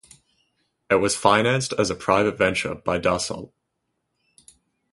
It was financed as a private venture by Dassault.